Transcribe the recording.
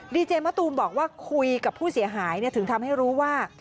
ดีเจมะตูมบอกว่าคุยกับผู้เสียหายถึงทำให้รู้ว่า